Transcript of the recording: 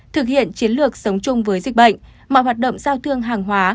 thực hiện chiến lược sống chung với dịch bệnh mọi hoạt động giao thương hàng hóa